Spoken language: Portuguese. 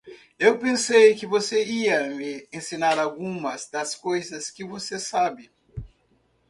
Eu pensei que você ia me ensinar algumas das coisas que você sabe.